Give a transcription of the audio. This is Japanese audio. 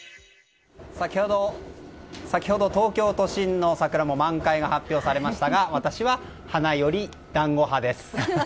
先ほど、東京都心の桜も満開が発表されましたが私は花より団子派です。